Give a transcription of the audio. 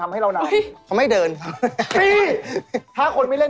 ไม่ถึงวัดสักทีแล้ว